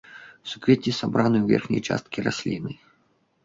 Суквецці сабраны ў верхняй часткі расліны.